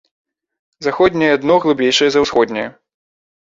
Заходняе дно глыбейшае за усходняе.